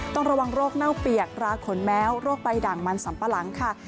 ต้องระวังโรคเน่าเปียกราขนแม้วโรคใบด่างมันสัมปะหลังค่ะ